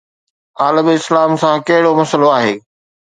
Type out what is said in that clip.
عالم اسلام سان ڪهڙو مسئلو آهي؟